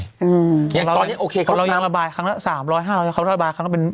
อย่างตอนนี้เราน้ำระบายครั้งละ๓๐๐๕๐๐ครั้งละมือ